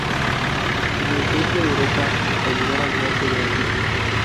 En el sur de Europa hasta llegar al norte de África.